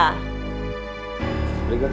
terima kasih bu